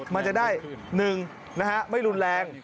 มันจะได้หนึ่งนะครับไม่รุนแรง